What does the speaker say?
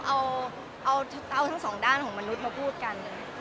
เอาทั้งสองด้านมาพูดกัน